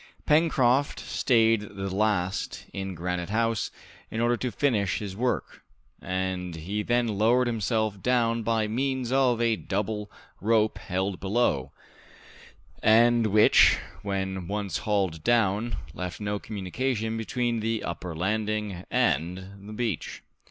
Pencroft stayed the last in Granite House in order to finish this work, and he then lowered himself down by means of a double rope held below, and which, when once hauled down, left no communication between the upper landing and the beach.